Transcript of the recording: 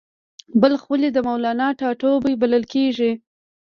بلخ ولې د مولانا ټاټوبی بلل کیږي؟